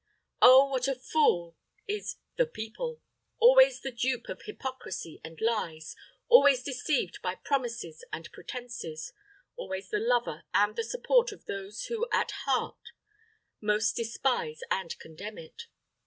Oh, what a fool is The People! Always the dupe of hypocrisy and lies, always deceived by promises and pretenses, always the lover and the support of those who at heart most despise and condemn it.